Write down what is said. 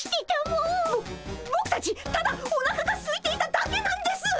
ぼぼくたちただおなかがすいていただけなんですっ！